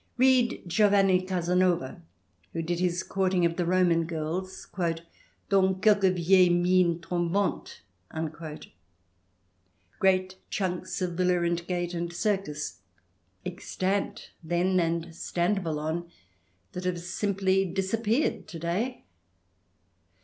Read Giovanni Casanova, who did his courting of the Roman girls " dans quelques vieilles mines tom bantes "— great chunks of villa and gate and circus, extant then and standable on, that have simply disap peared to day